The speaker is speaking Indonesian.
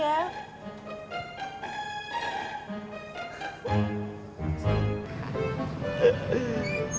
kalau nggak bisa kayak tadi ya